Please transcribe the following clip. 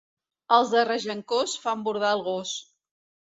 Els de Regencós fan bordar el gos.